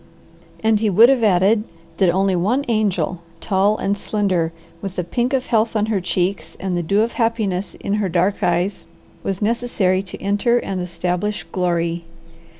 And he would have added that only one angel, tall and slender, with the pink of health on her cheeks and the dew of happiness in her dark eyes, was necessary to enter and establish glory.